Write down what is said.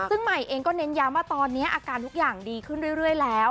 ซึ่งใหม่เองก็เน้นย้ำว่าตอนนี้อาการทุกอย่างดีขึ้นเรื่อยแล้ว